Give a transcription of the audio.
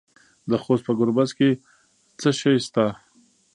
د خوست په ګربز کې څه شی شته؟